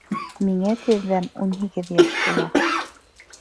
Миңә тиҙҙән ун һигеҙ йәш тула.